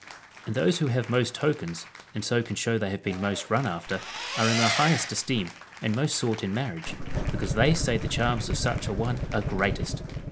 And those who have most tokens, and so can show they have been most run after, are in the highest esteem, and most sought in marriage, because they say the charms of such an one are greatest.